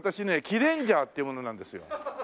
キレンジャーっていう者なんですよ。